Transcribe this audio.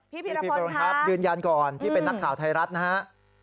พี่พีโรนครับยืนยันก่อนที่เป็นนักข่าวไทยรัฐนะฮะ